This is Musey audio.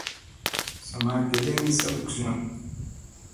Sa ma geɗeŋ saɓk duguzina.